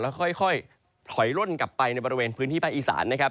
ค่อยถอยล่นกลับไปในบริเวณพื้นที่ภาคอีสานนะครับ